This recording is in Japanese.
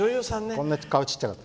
こんなに顔ちっちゃかった。